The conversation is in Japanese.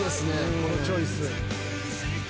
このチョイス。